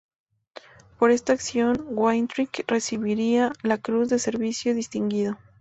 Por esta acción, Wainwright recibiría la Cruz de Servicio Distinguido.